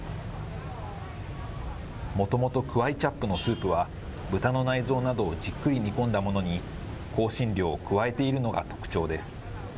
もともとクワイチャップのスープは豚の内臓をじっくり煮込んだものに、香辛料を加えているのが特徴です。